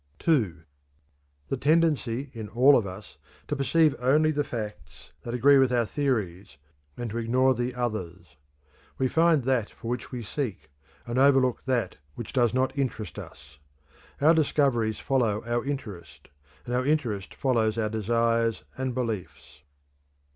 (2) The tendency in all of us to perceive only the facts that agree with our theories and to ignore the others. We find that for which we seek, and overlook that which does not interest us. Our discoveries follow our interest, and our interest follows our desires and beliefs.